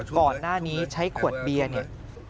ก่อนหน้านี้ใช้ขวดเบียร์เนี่ย